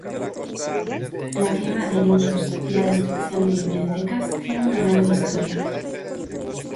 La quema de libros y la destrucción de bibliotecas tiene una larga historia.